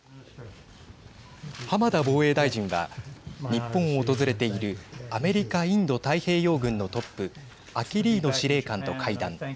浜田防衛大臣は日本を訪れているアメリカインド太平洋軍のトップアキリーノ司令官と会談。